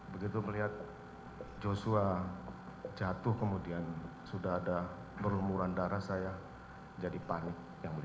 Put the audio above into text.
begitu melihat yosua jatuh kemudian sudah ada berumuran darah saya jadi panik yang mulia